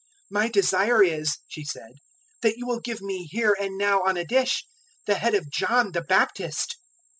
"My desire is," she said, "that you will give me, here and now, on a dish, the head of John the Baptist."